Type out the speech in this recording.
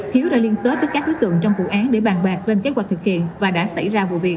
hiếu đã liên kết với các đối tượng trong vụ án để bàn bạc lên kế hoạch thực hiện và đã xảy ra vụ việc